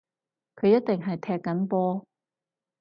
佢一定係踢緊波